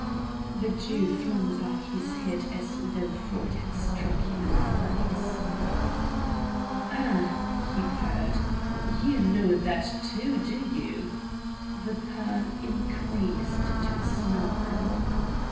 The Jew flung back his head as though Ford had struck him in the face. "Ah!" he purred, "you know that, too, do you?" The purr increased to a snarl.